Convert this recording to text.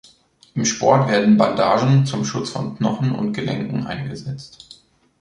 Im Sport werden Bandagen zum Schutz von Knochen und Gelenken eingesetzt.